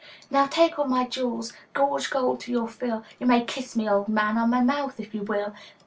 Now, take all my jewels, gorge gold to your fill, You may kiss me, old man, on my mouth if you will!